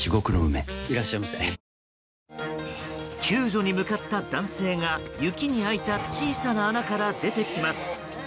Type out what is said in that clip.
救助に向かった男性が雪に開いた小さな穴から出てきます。